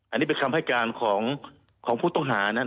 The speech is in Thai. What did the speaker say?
อันนี้เป็นคำให้การของผู้ต้องหานั้น